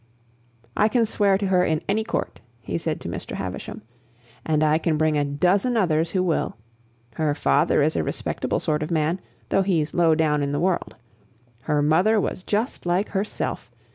"I can swear to her in any court," he said to Mr. Havisham, "and I can bring a dozen others who will. Her father is a respectable sort of man, though he's low down in the world. Her mother was just like herself.